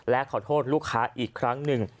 และขอโทษลูกค้าอีกครั้งหนึ่ง